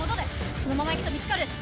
そのまま行くと見つかる！